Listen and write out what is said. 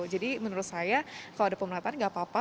jadi menurut saya kalau ada pemerataan tidak apa apa